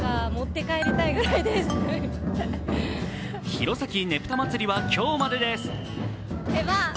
弘前ねぷたまつりは今日までです。